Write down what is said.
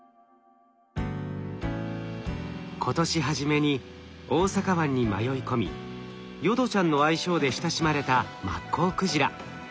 今年初めに大阪湾に迷い込み淀ちゃんの愛称で親しまれたマッコウクジラ。